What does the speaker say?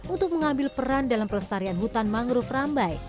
untuk mengambil peran dalam pelestarian hutan mangrove rambai